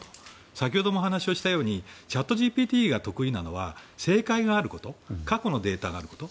先ほどもお話をしたとおりチャットＧＰＴが得意なのは正解があること過去のデータがあること。